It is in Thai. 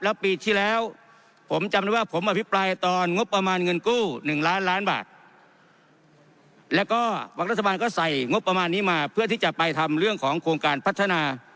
แล้วปีที่แล้วผมจำได้ว่าผมอภิปรายตอนงบประมาณเงินกู้๑ล้านล้านบาทแล้วก็วักรัฐบาลก็ใส่งบประมาณนี้มาเพื่อที่จะไปทำเรื่องของโครงการพัฒนา